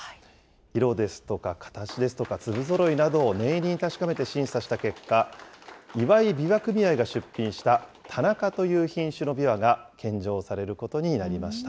色ですとか形ですとか、粒ぞろいなどを念入りに調べて審査した結果、岩井枇杷組合が出品した、田中という品種のびわが献上されることになりました。